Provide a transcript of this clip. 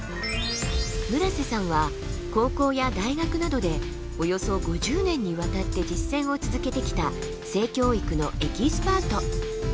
村瀬さんは高校や大学などでおよそ５０年にわたって実践を続けてきた性教育のエキスパート。